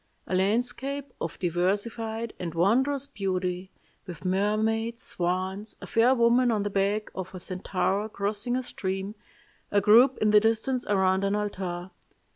A landscape of diversified and wondrous beauty, with mermaids, swans, a fair woman on the back of a centaur crossing a stream, a group in the distance around an altar.